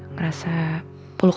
ngerasa peluk anakku itu bisa dihidupin